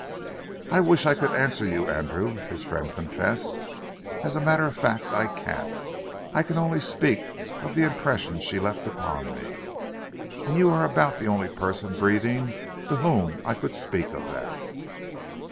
"I wish I could answer you, Andrew," his friend confessed. "As a matter of fact, I can't. I can only speak of the impression she left upon me, and you are about the only person breathing to whom I could speak of that."